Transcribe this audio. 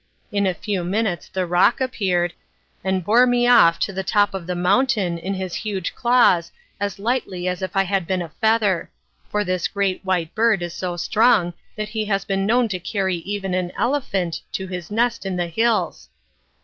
In a few minutes the roc appeared, and bore me off to the top of the mountain in his huge claws as lightly as if I had been a feather, for this great white bird is so strong that he has been known to carry even an elephant to his nest in the hills.